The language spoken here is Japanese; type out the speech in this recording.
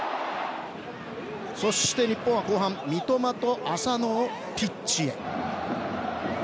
そして日本は後半三笘と浅野をピッチへ。